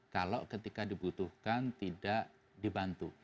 kalau ketika dibutuhkan tidak dibantu